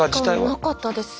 なかったです